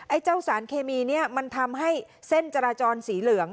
เจ้าสารเคมีเนี่ยมันทำให้เส้นจราจรสีเหลือง